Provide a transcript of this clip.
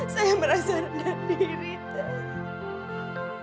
saya merasa rendah diri